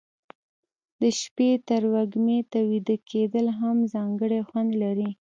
د شپې تروږمي ته ویده کېدل هم ځانګړی خوند لري.